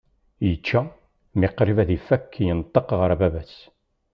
Yečča, mi qrib ad ifak, yenṭeq ɣer baba-s.